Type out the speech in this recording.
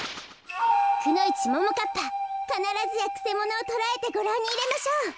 くのいちももかっぱかならずやくせものをとらえてごらんにいれましょう。